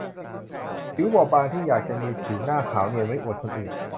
ผิวบอบบางที่อยากจะมีผิวหน้าขาวเนียนไว้อวดคนอื่น